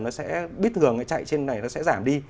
nó sẽ bíp thường chạy trên này nó sẽ giảm đi